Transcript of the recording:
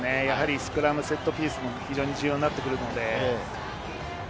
スクラム、セットピースも重要になってくるので。